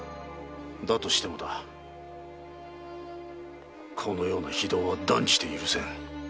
だとしてもだこのような非道は断じて許せん。